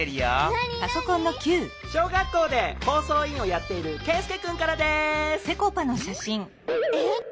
何？小学校で放送委員をやっているケイスケくんからです！え